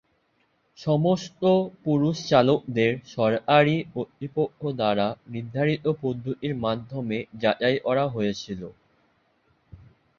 সমস্ত পুরুষ চালকদের সরকারি কর্তৃপক্ষ দ্বারা নির্ধারিত পদ্ধতির মাধ্যমে যাচাই করা হয়েছিল।